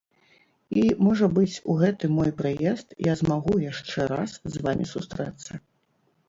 І, можа быць, у гэты мой прыезд я змагу яшчэ раз з вамі сустрэцца.